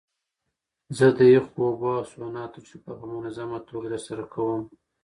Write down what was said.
زه د یخو اوبو او سونا تجربه په منظمه توګه ترسره کوم.